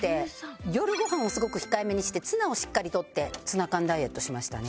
夜ご飯をすごく控えめにしてツナをしっかりとってツナ缶ダイエットしましたね。